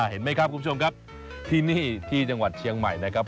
ใช่คุณผู้ชมครับที่นี่ที่จังหวัดเชียงใหม่นะครับ